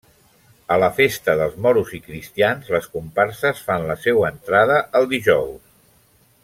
A la festa dels moros i cristians, les comparses fan la seua entrada el dijous.